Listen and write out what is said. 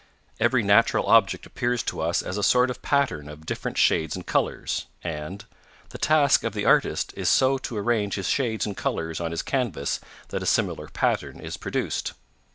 'Every natural object appears to us as a sort of pattern of different shades and colours,' and 'the task of the artist is so to arrange his shades and colours on his canvas that a similar pattern is produced.'